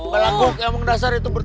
balaguk yang mengdasar itu belasem